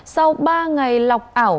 sau ba ngày lọc ảo